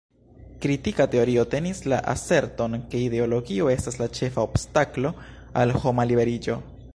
Kritika teorio tenis la aserton, ke ideologio estas la ĉefa obstaklo al homa liberiĝo.